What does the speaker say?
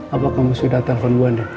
apa kamu sudah telpon bu andi